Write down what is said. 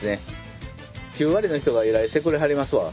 ９割の人が依頼してくれはりますわ。